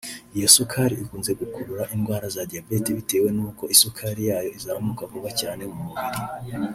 Iyo sukari ikunze gukurura indwara za diyabete bitewe n’uko isukari yayo izamuka vuba cyane mu mubiri